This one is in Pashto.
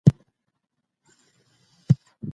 ځان پیژندل د واقعي پوهي پیل دی.